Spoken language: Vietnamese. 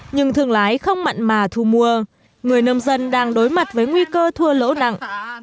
nhưng thương lái không mặn mà thu mua người nông dân đang đối mặt với nguy cơ thua lỗ nặng